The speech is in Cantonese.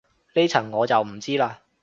呢層我就唔知嘞